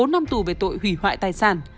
bốn năm tù về tội hủy hoại tài sản